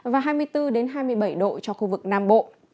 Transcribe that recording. và hai mươi bốn hai mươi bảy độ cho khu vực nam bộ